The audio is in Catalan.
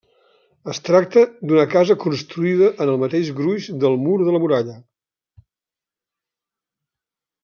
Es tracta d'una casa construïda en el mateix gruix del mur de la muralla.